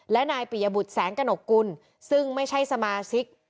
และนายปิยบุตรแสงกระหนกกุลซึ่งไม่ใช่สมาชิก